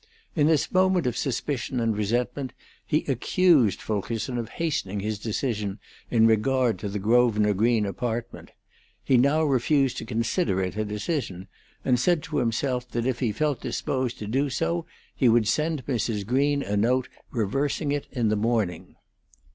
In this moment of suspicion and resentment he accused Fulkerson of hastening his decision in regard to the Grosvenor Green apartment; he now refused to consider it a decision, and said to himself that if he felt disposed to do so he would send Mrs. Green a note reversing it in the morning.